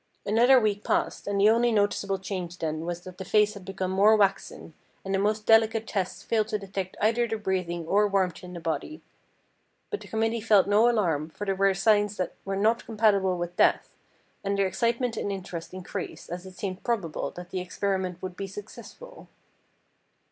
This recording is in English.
Another week passed, and the only noticeable change then was that the face had become more waxen, and the most delicate tests failed to detect either the breathing or warmth in the body. But the committee felt no alarm, for there were signs that were not compatible with death, and their excitement and interest increased as it seemed probable that the experiment would be successful.